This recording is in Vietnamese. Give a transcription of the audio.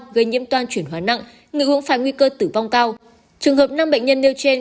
gây nhiễm toan chuyển hóa nặng người uống phải nguy cơ tử vong cao trường hợp năm bệnh nhân nêu trên